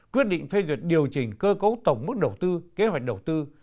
quyết định phê duyệt điều chỉnh cơ cấu tổng mức đầu tư kế hoạch đầu tư